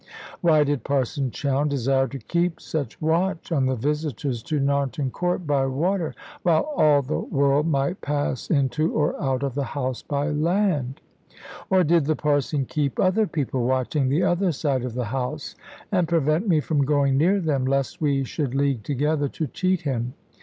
Why did Parson Chowne desire to keep such watch on the visitors to Narnton Court by water, while all the world might pass into or out of the house by land? Or did the Parson keep other people watching the other side of the house, and prevent me from going near them, lest we should league together to cheat him?